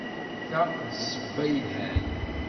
Ta d ssebba yelhan.